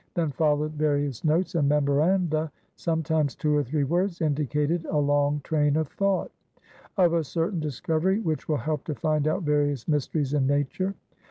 Then followed va rious notes and memoranda: sometimes two or three words indicated a long train of thought — "Of a certain discovery which will help to find out various mysteries in nature."